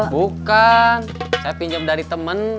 bukan saya pinjam dari teman